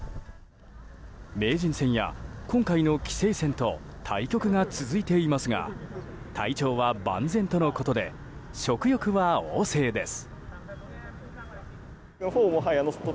名人戦や今回の棋聖戦と対局が続いていますが体調は万全とのことで食欲は旺盛です。